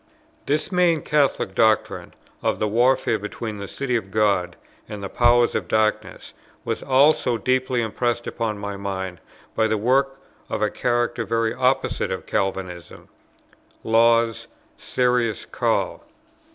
This main Catholic doctrine of the warfare between the city of God and the powers of darkness was also deeply impressed upon my mind by a work of a character very opposite to Calvinism, Law's "Serious Call."